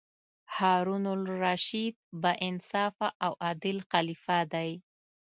هارون الرشید با انصافه او عادل خلیفه دی.